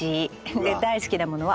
で大好きなものはお金。